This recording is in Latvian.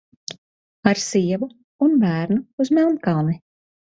Ar sievu un bērnu uz Melnkalni!